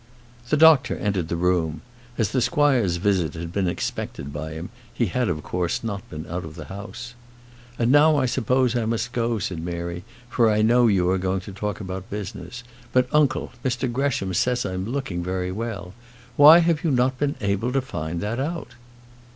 The doctor entered the room. As the squire's visit had been expected by him, he had of course not been out of the house. "And now I suppose I must go," said Mary; "for I know you are going to talk about business. But, uncle, Mr Gresham says I'm looking very well. Why have you not been able to find that out?"